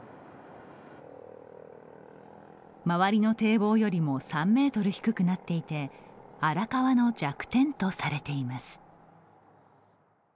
周りの堤防よりも３ｍ低くなっていて荒川の弱点とされています。